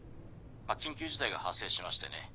緊急事態が発生しましてね。